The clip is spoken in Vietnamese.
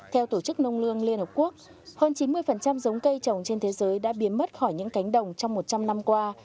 theo tổ chức nông lương liên hợp quốc hơn chín mươi giống cây trồng trên thế giới đã biến mất khỏi những cánh đồng trong một trăm linh năm qua